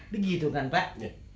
begitu kan pak